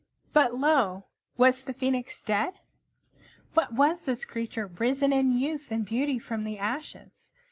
But lo! Was the Phoenix dead? What was this creature risen in youth and beauty from the ashes?